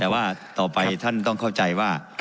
แต่ว่าต่อไปท่านต้องเข้าใจว่า